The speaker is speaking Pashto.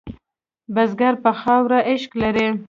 بزګر په خاوره عشق لري